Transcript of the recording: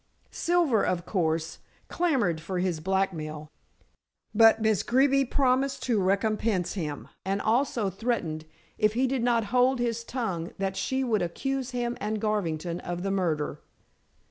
Silver, of course, clamored for his blackmail, but Miss Greeby promised to recompense him, and also threatened if he did not hold his tongue that she would accuse him and Garvington of the murder.